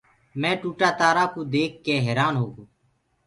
مينٚ ٽوٽآ تآرآ ڪوُ ديک ڪيٚ حيرآن هوگو۔